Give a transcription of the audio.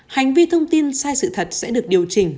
hành vi thông tin sai sự thật sẽ được điều chỉnh